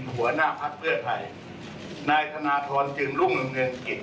หัวหน้าพักหัวหน้าเศียรีโรงไทย